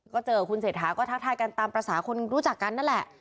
ก็เจอคุณเศรษฐาก็ทักทายกันตามภาษาคนรู้จักกันนั่นแหละ